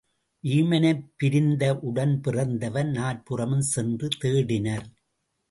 வீமனைப் பிரிந்த உடன்பிறந்தவர் நாற்புறமும் சென்று தேடினர்.